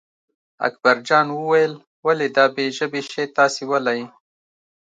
اکبرجان وویل ولې دا بې ژبې شی تاسې ولئ.